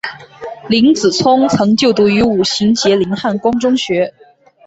林子聪曾就读五旬节林汉光中学。